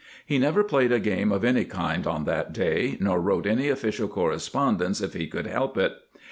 He never played a game of any kind on that day, nor wrote any official corre spondence if he could help it.